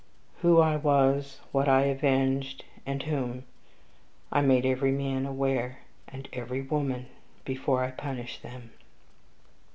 Who I was, what I avenged, and whom, I made every man aware, and every woman, before I punished them.